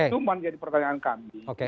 cuman jadi pertanyaan kami